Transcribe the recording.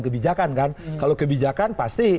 kebijakan kan kalau kebijakan pasti